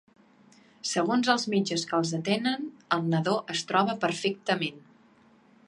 Segons els metges que els atenen, el nadó es troba perfectament.